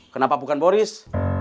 kenapa bukan boris